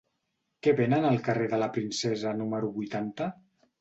Què venen al carrer de la Princesa número vuitanta?